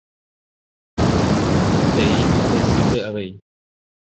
Maitei nde sýpe avei.